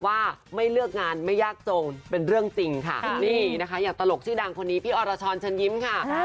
ว่าไม่เลือกงานไม่ยากจงเป็นเรื่องจริงค่ะนี่นะคะอย่างตลกชื่อดังคนนี้พี่อรชรเชิญยิ้มค่ะ